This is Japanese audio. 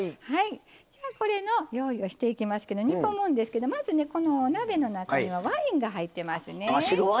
じゃあこれの用意をしていきますけど煮込むんですけどまずねこのお鍋の中にはワインが入ってますね。